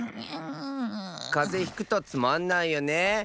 かぜひくとつまんないよね。